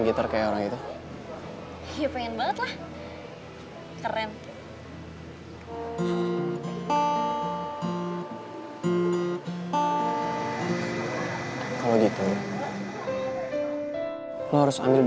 gue bakal bragcript tiga hari lagi di tanggal dua puluh tiga